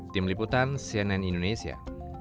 tim liputan cnn indonesia